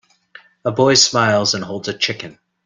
A boy smiles and holds a Chicken.